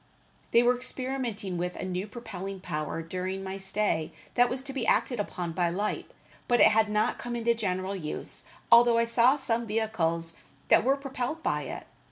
They were experimenting with a new propelling power during my stay that was to be acted upon by light, but it had not come into general use, although I saw some vehicles that were propelled by it.